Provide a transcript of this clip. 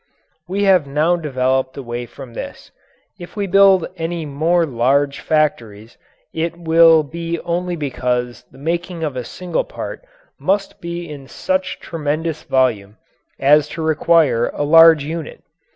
We have now developed away from this. If we build any more large factories, it will be only because the making of a single part must be in such tremendous volume as to require a large unit.